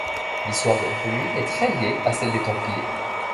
L'histoire de la commune est très liée à celle des Templiers.